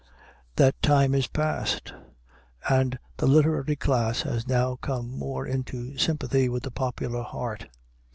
That time is past; and the literary class has now come more into sympathy with the popular heart.